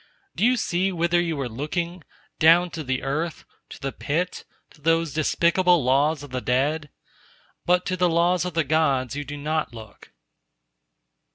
Do you see whither you are looking—down to the earth, to the pit, to those despicable laws of the dead? But to the laws of the Gods you do not look.